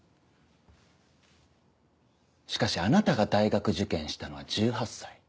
しかしあなたが大学受験したのは１８歳。